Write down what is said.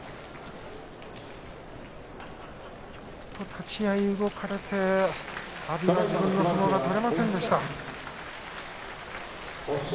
立ち合い動かれて阿炎は自分の相撲が取れませんでした。